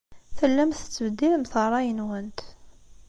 Tellamt tettbeddilemt ṛṛay-nwent.